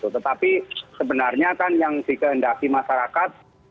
tetapi sebenarnya kan yang dikehendaki masyarakat